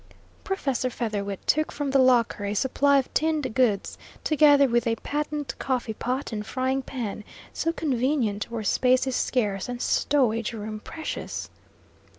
Professor Featherwit took from the locker a supply of tinned goods, together with a patent coffee pot and frying pan, so convenient where space is scarce and stowage room precious.